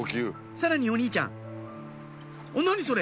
さらにお兄ちゃん何それ？